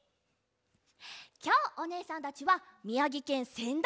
きょうおねえさんたちはみやぎけんせん